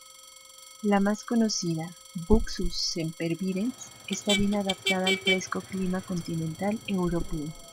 La más conocida, "Buxus sempervirens", está bien adaptada al fresco clima continental europeo.